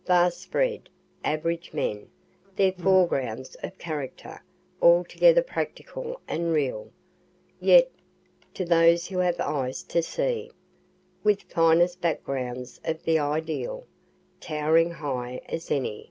vast spread, average men their foregrounds of character altogether practical and real, yet (to those who have eyes to see) with finest backgrounds of the ideal, towering high as any.